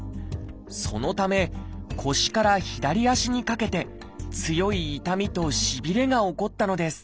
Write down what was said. そのため腰から左足にかけて強い痛みとしびれが起こったのです。